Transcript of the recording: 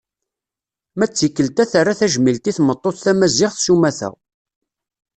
Ma d tikelt-a terra tajmilt i tmeṭṭut tamaziɣt s umata.